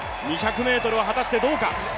２００ｍは果たしてどうか。